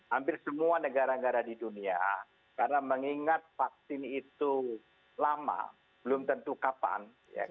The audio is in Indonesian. hampir semua negara negara di dunia karena mengingat vaksin itu lama belum tentu kapan